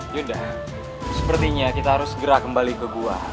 yudha sepertinya kita harus gerak kembali ke gua